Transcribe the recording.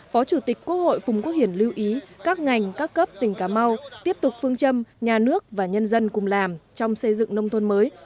phó chủ tịch quốc hội phùng quốc hiển lưu ý các ngành các cấp tỉnh cà mau tiếp tục phương châm nhà nước và nhân dân cùng làm trong xây dựng nông thôn mới